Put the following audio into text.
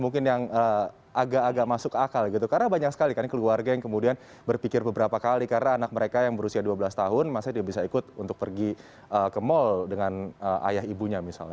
mungkin yang agak agak masuk akal gitu karena banyak sekali kan keluarga yang kemudian berpikir beberapa kali karena anak mereka yang berusia dua belas tahun masih bisa ikut untuk pergi ke mall dengan ayah ibunya misalnya